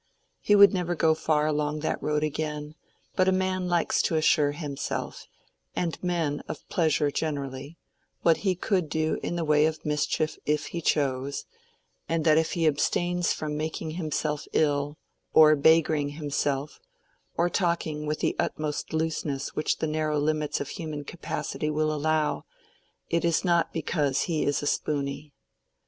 He would never go far along that road again; but a man likes to assure himself, and men of pleasure generally, what he could do in the way of mischief if he chose, and that if he abstains from making himself ill, or beggaring himself, or talking with the utmost looseness which the narrow limits of human capacity will allow, it is not because he is a spooney.